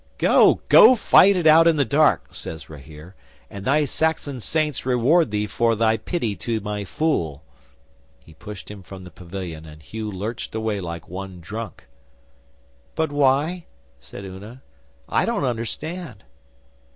'"Go go fight it out in the dark," says Rahere, "and thy Saxon Saints reward thee for thy pity to my fool." He pushed him from the pavilion, and Hugh lurched away like one drunk.' 'But why?' said Una. 'I don't understand.